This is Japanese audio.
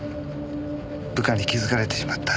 部下に気づかれてしまった。